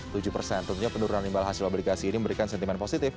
tentunya penurunan imbal hasil obligasi ini memberikan sentimen positif